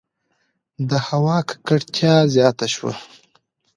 • د هوا ککړتیا زیاته شوه.